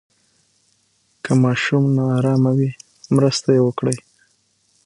که ماشوم نا آرامه وي، مرسته یې وکړئ.